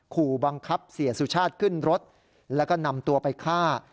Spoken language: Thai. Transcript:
ขู่บังคับเสียสุชาติขึ้นรถแล้วก็นำตัวไปฆ่า